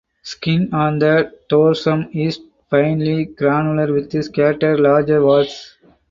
Skin on the dorsum is finely granular with scattered larger warts.